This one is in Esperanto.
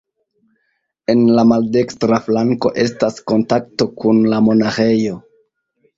En la maldekstra flanko estas kontakto kun la monaĥejo.